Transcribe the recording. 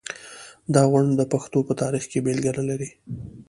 دا غونډ د پښتو په تاریخ کې بېلګه نلري.